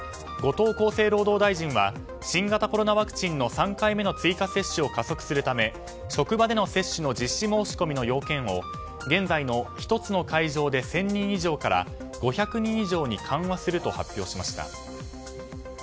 後藤厚生労働大臣は新型コロナワクチンの３回目の追加接種を加速するため職場での接種の実施申し込みの要件を現在の１つの会場で１０００人以上から５００人以上に緩和すると発表しました。